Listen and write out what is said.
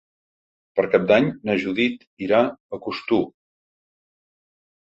Per Cap d'Any na Judit irà a Costur.